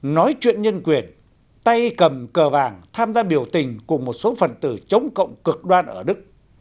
nói chuyện nhân quyền tay cầm cờ vàng tham gia biểu tình cùng một số phần tử chống cộng cực đoan ở đức